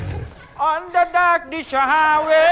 ไม่เข้าใจหรอกมีความแปลงไหม